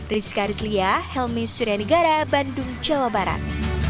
rizka rizlia helmy suryanigara bandung jawa barat